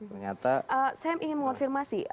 saya ingin mengonfirmasi